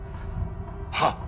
はっ。